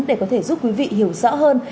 để có thể giúp quý vị hiểu rõ hơn